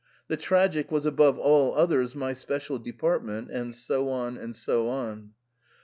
The tragic was above all others my special department, and so on, and so on.